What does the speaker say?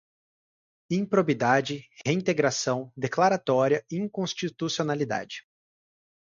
improbidade, reintegração, declaratória, inconstitucionalidade